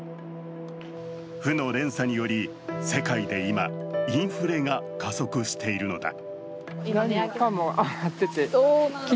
負の連鎖により、世界で今、インフレが加速しているのだ。